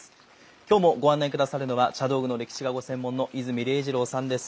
今日もご案内下さるのは茶道具の歴史がご専門の伊住禮次朗さんです。